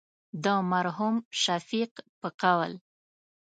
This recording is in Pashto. د مرحوم شفیق په قول.